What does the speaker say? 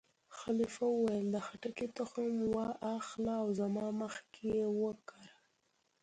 خلیفه وویل: د خټکي تخم وا اخله او زما مخکې یې وکره.